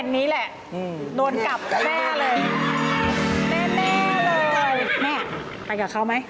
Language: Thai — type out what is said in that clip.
แม่ไปกับเขาไหม